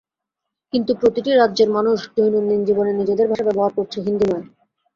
কিন্তু প্রতিটি রাজ্যের মানুষ দৈনন্দিন জীবনে নিজেদের ভাষা ব্যবহার করছে—হিন্দি নয়।